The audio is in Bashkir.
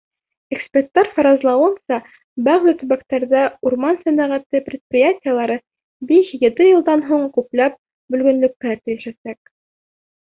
Эксперттар фаразлауынса, бәғзе төбәктәрҙә урман сәнәғәте предприятиелары биш-ете йылдан һуң күпләп бөлгөнлөккә төшәсәк.